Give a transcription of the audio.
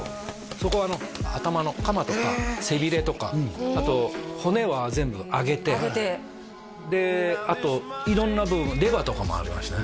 そこは頭のカマとか背びれとかあと骨は全部揚げてであと色んな部分レバーとかもありましたね